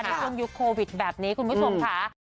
ในช่วงยุคโควิดแบบนี้คุณผู้ชมค่ะ